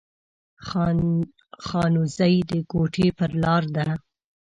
خانوزۍ د کوټي پر لار ده